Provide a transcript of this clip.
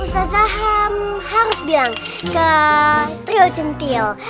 ustazah harus bilang ke trio centil